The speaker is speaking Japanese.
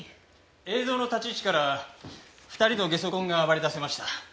映像の立ち位置から２人の下足痕が割り出せました。